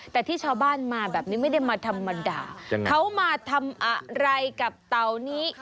แต่ที่ชาวบ้านมาแบบนี้ไม่ได้มาธรรมดาเขามาทำอะไรกับเต่านี้